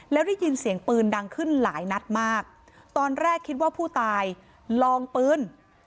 แล้วได้ยินเสียงปืนดังขึ้นหลายนัดมากตอนแรกคิดว่าผู้ตายลองปืน